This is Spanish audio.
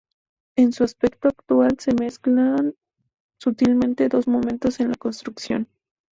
En su aspecto actual se mezclan sutilmente dos momentos en la construcción.